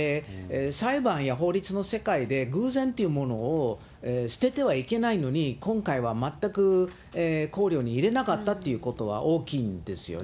裁判や法律の世界で、偶然というものを捨ててはいけないのに、今回は全く考慮に入れなかったということは大きいんですよね。